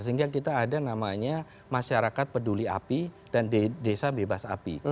sehingga kita ada namanya masyarakat peduli api dan desa bebas api